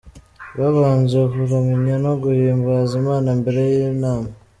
Babanje kuramya no guhimbaza Imana mbere y'inama.